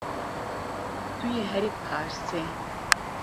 Tu yê herî parsê